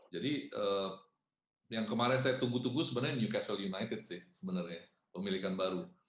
jadi yang kemarin saya tunggu tunggu sebenarnya newcastle united sih sebenarnya pemilikan baru